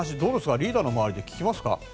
リーダーの周りで聞きますか？